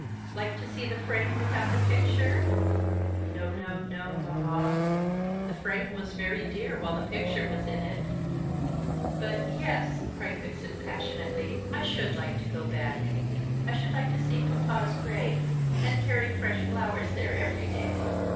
"Like to see the frame without the picture? No, no, no, mamma. The frame was very dear while the picture was in it but yes," cried Vixen passionately, "I should like to go back. I should like to see papa's grave, and carry fresh flowers there every day.